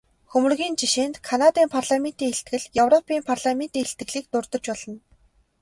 Хөмрөгийн жишээнд Канадын парламентын илтгэл, европын парламентын илтгэлийг дурдаж болно.